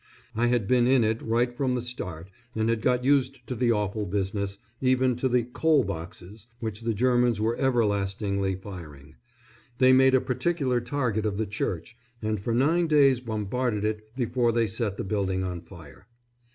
I had been in it right from the start and had got used to the awful business, even to the "coal boxes," which the Germans were everlastingly firing. They made a particular target of the church, and for nine days bombarded it before they set the building on fire.